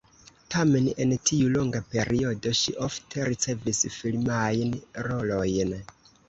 Tamen en tiu longa periodo ŝi ofte ricevis filmajn rolojn.